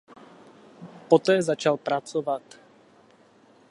Poté začal pracovat.